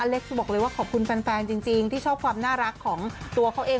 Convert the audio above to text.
เล็กบอกเลยว่าขอบคุณแฟนจริงที่ชอบความน่ารักของตัวเขาเอง